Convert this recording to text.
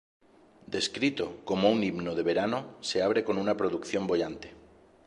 Descrito como un "himno de verano", se abre con una "producción boyante".